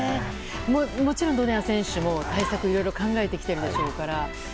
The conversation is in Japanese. もちろんドネア選手も対策いろいろ考えてきてるでしょうから。